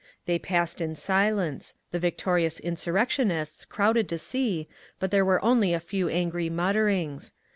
They passed in silence; the victorious insurrectionists crowded to see, but there were only a few angry mutterings.